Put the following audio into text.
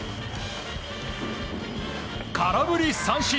空振り三振！